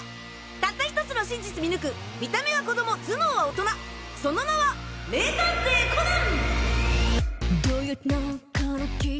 たった１つの真実見抜く見た目は子供頭脳は大人その名は名探偵コナン！